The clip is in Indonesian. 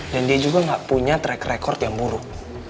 dan dia juga gak punya track record yang buruk